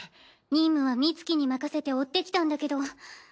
任務はミツキに任せて追ってきたんだけど。